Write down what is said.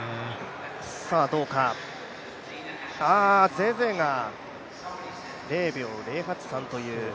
ゼゼが０秒０８３という。